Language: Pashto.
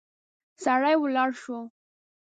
سړی ولاړ شو.